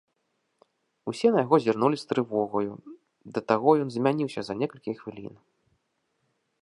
Усе на яго зірнулі з трывогаю, да таго ён змяніўся за некалькі хвілін.